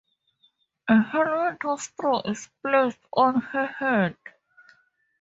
A helmet of straw is placed on her head.